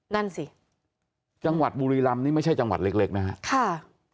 นั่นสิจังหวัดบุรีรำนี่ไม่ใช่จังหวัดเล็กนะฮะค่ะ